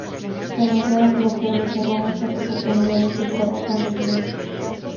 Se negó, lo que le cerró muchas oportunidades de trabajo en la iglesia.